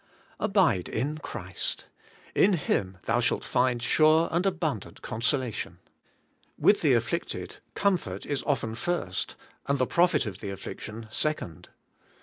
A ^' Abide in Christ: in Him thou shalt find sure and ■ abundant consolation. With the afflicted comfort is often first, and the profit of the affliction second.